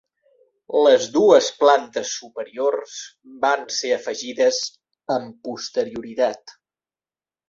Les dues plantes superiors van ser afegides amb posterioritat.